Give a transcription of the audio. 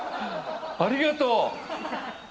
ありがとう！